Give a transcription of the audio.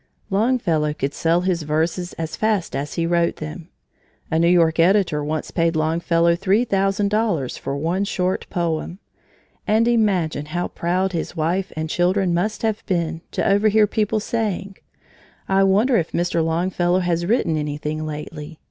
Longfellow could sell his verses as fast as he wrote them. A New York editor once paid Longfellow three thousand dollars for one short poem. And imagine how proud his wife and children must have been to overhear people saying: "I wonder if Mr. Longfellow has written anything lately.